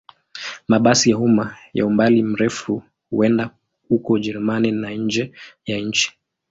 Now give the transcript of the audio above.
Mabasi ya umma ya umbali mrefu huenda huko Ujerumani na nje ya nchi.